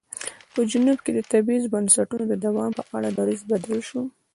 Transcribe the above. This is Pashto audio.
په جنوب کې د تبعیض بنسټونو د دوام په اړه دریځ بدل شو.